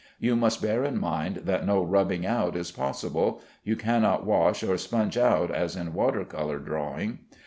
You must bear in mind that no rubbing out is possible; you cannot wash or sponge out as in water color drawing.